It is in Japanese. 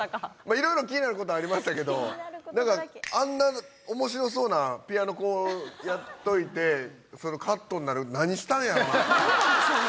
いろいろ気になることありましたけどあんな面白そうなピアノこうやっといてそれカットになる何したんやろな？